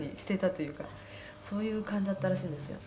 「そういう感じだったらしいんですよ」